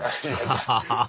アハハハ